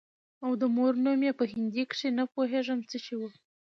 او د مور نوم يې په هندي کښې نه پوهېږم څه شى و.